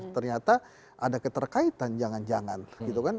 ternyata ada keterkaitan jangan jangan gitu kan